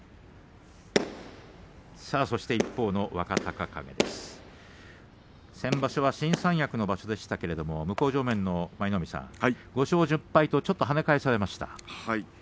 一方の若隆景先場所は新三役の場所でしたが舞の海さん、５勝１０敗とちょっと跳ね返されました。